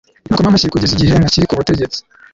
nakoma amashyi kugeza igihe ntakiri ku butegetsi